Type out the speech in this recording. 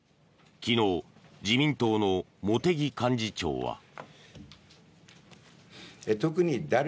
昨日、自民党の茂木幹事長は。